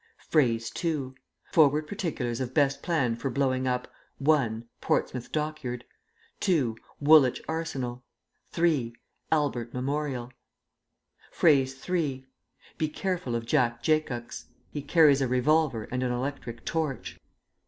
(Phrase 2). "Forward particulars of best plan for blowing up (1) Portsmouth Dockyard. (2) Woolwich Arsenal. (3) Albert Memorial." (Phrase 3). "Be careful of Jack Jacox. He carries a revolver and an electric torch."